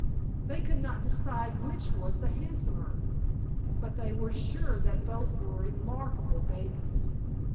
They could not decide which was the handsomer, but they were sure that both were remarkable babies.